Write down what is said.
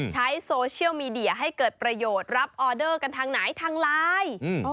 ใช้โซเชียลมีเดียให้เกิดประโยชน์รับออเดอร์กันทางไหนทางไลน์